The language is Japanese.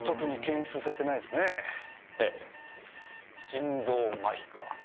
心臓麻痺か。